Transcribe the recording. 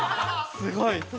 ◆すごい。